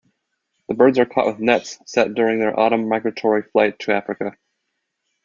The birds are caught with nets set during their autumn migratory flight to Africa.